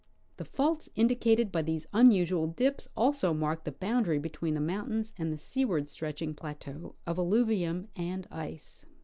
The faults indicated by these unusual dips also mark the boundary between the mountains and the seaward stretching plateau of alluvium and ice.